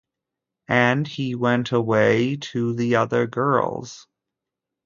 And he went away to the other girls.